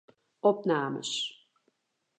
Opnames.